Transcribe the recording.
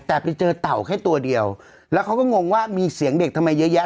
แต่ไปเจอเต่าแค่ตัวเดียวแล้วเขาก็งงว่ามีเสียงเด็กทำไมเยอะแยะ